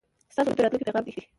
ستاسو ګډون د راتلونکي پیغام دی.